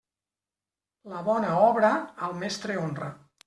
La bona obra, al mestre honra.